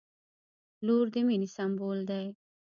• لور د مینې سمبول دی.